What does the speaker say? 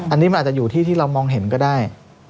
อันนี้มันอาจจะอยู่ที่ที่เรามองเห็นก็ได้